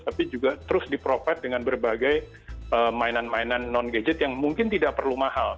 tapi juga terus di provide dengan berbagai mainan mainan non gadget yang mungkin tidak perlu mahal